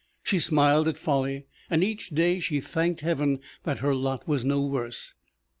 She smiled at folly, and each day she thanked Heaven that her lot was no worse.